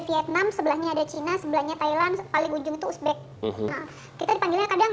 vietnam sebelahnya ada china sebelahnya thailand paling ujung itu uzbek kita dipanggilnya kadang